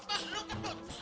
mas lo kembur